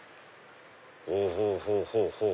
ほうほうほうほう。